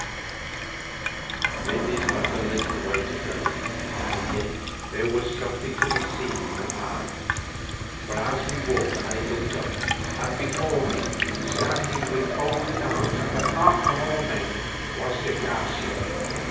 It is but a little way to go, and yet there was something to be seen in the path. For as we walked I looked up, and before me, standing with folded arms and apart from all men, was de Garcia.